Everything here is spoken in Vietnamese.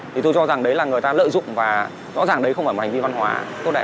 thì tôi cho rằng đấy là người ta lợi dụng và rõ ràng đấy không phải một hành vi văn hóa tốt đẹp